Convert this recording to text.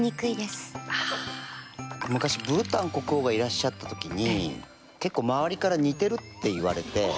昔ブータン国王がいらっしゃった時に結構周りから似てるって言われて。